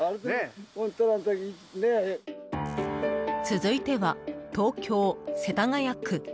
続いては、東京・世田谷区。